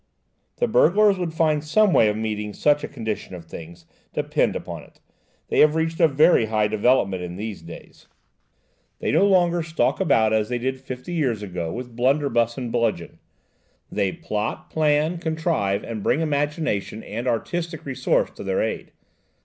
"The burglars would find some way of meeting such a condition of things, depend upon it; they have reached a very high development in these days. They no longer stalk about as they did fifty years ago with blunderbuss and bludgeon; they plot, plan, contrive and bring imagination and artistic resource to their aid.